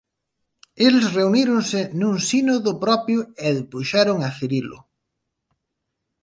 Eles reuníronse nun sínodo propio e depuxeron a Cirilo.